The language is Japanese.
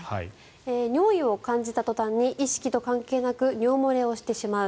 尿意を感じた途端に意識と関係なく尿漏れをしてしまう。